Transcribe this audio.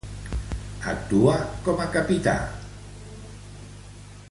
Actua com a capità al servici dels d'Arcos.